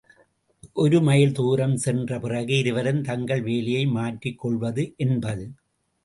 ஒரு மைல் தூரம் சென்ற பிறகு, இருவரும் தங்கள் வேலையை மாற்றிக் கொள்வது என்பது.